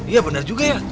iya benar juga ya